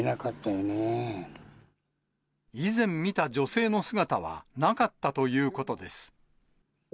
以前見た女性の姿はなかったということです。